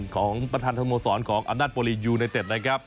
ของประธานสโมสรของอำนาจโปรลียูไนเต็ดนะครับ